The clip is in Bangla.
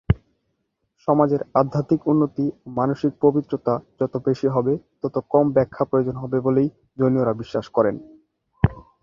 সমাজের আধ্যাত্মিক উন্নতি ও মানসিক পবিত্রতা যত বেশি হবে, তত কম ব্যাখ্যা প্রয়োজন হবে বলেই জৈনরা বিশ্বাস করেন।